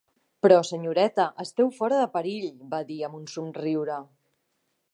"Però, senyoreta, esteu fora de perill", va dir, amb un somriure.